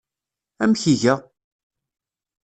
Amek iga?